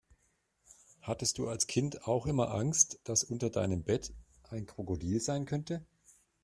Hattest du als Kind auch immer Angst, dass unter deinem Bett ein Krokodil sein könnte?